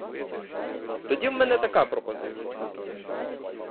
Тоді в мене така пропозиція.